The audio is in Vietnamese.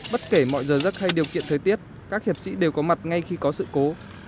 bất kể mọi giờ giấc hay điều kiện thời tiết các hiệp sĩ đều có mặt ngay khi có sự cố